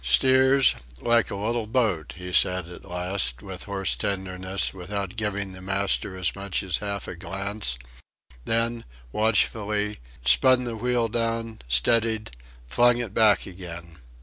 "Steers... like a little boat," he said, at last, with hoarse tenderness, without giving the master as much as half a glance then, watchfully, spun the wheel down, steadied, flung it back again.